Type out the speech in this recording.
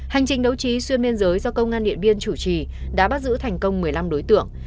hành trình đấu trí xuyên biên giới do công an điện biên chủ trì đã bắt giữ thành công một mươi năm đối tượng